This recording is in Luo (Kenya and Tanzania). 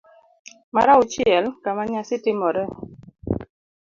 mar auchiel. Kama nyasi timoree